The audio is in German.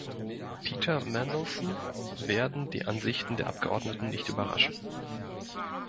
Peter Mandelson werden die Ansichten der Abgeordneten nicht überraschen.